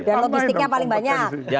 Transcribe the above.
dan logistiknya paling banyak